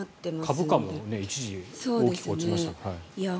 株価も一時、大きく落ちましたからね。